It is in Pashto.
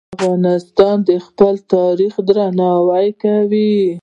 افغانستان د خپل تاریخ درناوی کوي.